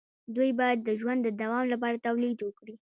دوی باید د ژوند د دوام لپاره تولید وکړي.